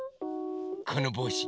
このぼうし。